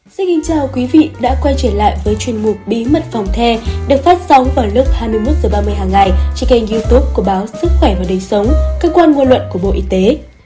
xin kính chào quý vị đã quay trở lại với chuyên mục bí mật phòng the được phát sóng vào lúc hai mươi một h ba mươi hàng ngày trên kênh youtube của báo sức khỏe và đời sống cơ quan ngôn luận của bộ y tế